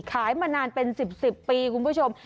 ขายมานานเป็นสิบสิบปีคุณผู้ชม